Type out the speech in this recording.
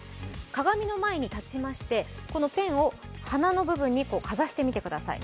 鏡の前に立ちましてこのペンを鼻の部分にかざしてみてください。